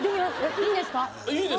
いいですか？